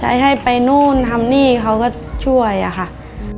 ให้ให้ไปนู่นทำหนี้เขาก็ช่วยนะครับ